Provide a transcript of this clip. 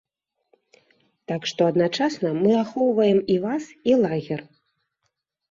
Так што адначасна мы ахоўваем і вас і лагер.